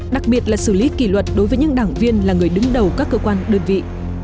đặc biệt là xử lý kỷ luật đối với những đảng viên là người đứng đầu các cơ quan đơn vị